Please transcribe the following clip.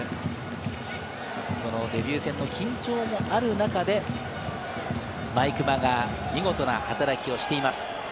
デビュー戦の緊張がある中で毎熊が見事な働きをしています。